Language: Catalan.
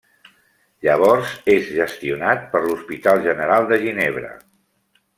Llavors és gestionat per l'Hospital general de Ginebra.